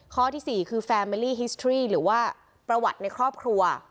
ข้อที่๔คือแฟมิลี่ฮิสตรี่หรือว่าประวัติในครอบครัว